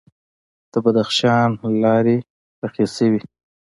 د بدخشان لارې پاخه شوي؟